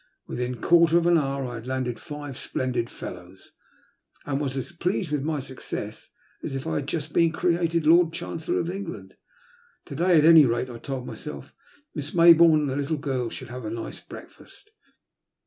Within a quarter of an hour I had landed five splendid fellows, and was as pleased with my suc cess as if I had just been created Lord Chancellor of England. To day, at any rate, I told myself, Miss May bourne and the little girl should have a nice breakfast.